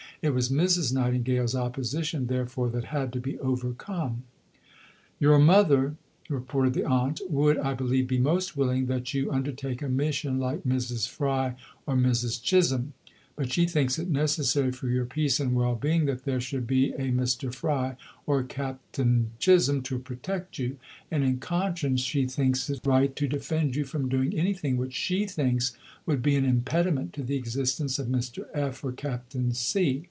It was Mrs. Nightingale's opposition, therefore, that had to be overcome. "Your mother," reported the aunt, "would, I believe, be most willing that you undertake a mission like Mrs. Fry or Mrs. Chisholm, but she thinks it necessary for your peace and well being that there should be a Mr. Fry or Captain Chisholm to protect you, and in conscience she thinks it right to defend you from doing anything which she thinks would be an impediment to the existence of Mr. F. or Captain C."